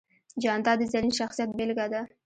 جانداد د زرین شخصیت بېلګه ده.